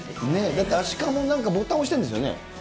だってアシカもなんか、ボタン押してるんですよね。